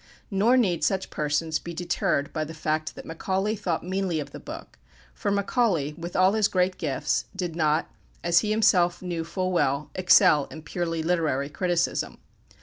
Nor need such persons be deterred by the fact that Macaulay thought meanly of the book; for Macaulay, with all his great gifts, did not, as he himself knew full well, excel in purely literary criticism.